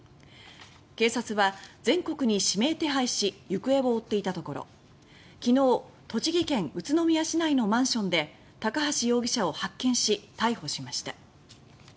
警察は、全国に指名手配し行方を追っていたところ昨日、栃木県宇都宮市内のマンションで高橋容疑者を発見し逮捕しました。